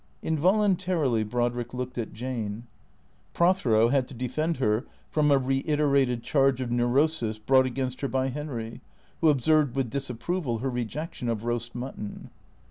Involuntarily Brodrick looked at Jane. Prothero had to defend her from a reiterated charge of neurosis brought against her by Henry, who observed with disapproval her rejection of roast mutton.